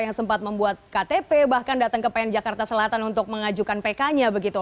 yang sempat membuat ktp bahkan datang ke pn jakarta selatan untuk mengajukan pk nya begitu